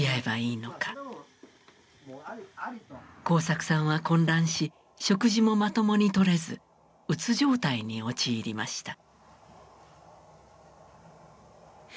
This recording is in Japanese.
耕作さんは混乱し食事もまともに取れずうつ状態に陥りました。